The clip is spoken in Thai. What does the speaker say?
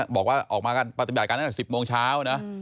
บอกว่าออกมาการปฏิบัติการตั้งแต่๑๐โมงเช้านะ